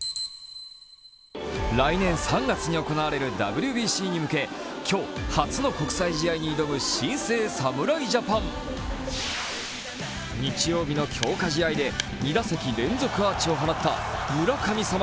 来年３月に行われるＷＢＣに向け今日、初の国際試合に挑む日曜日の強化試合で２打席連続アーチを放った村神様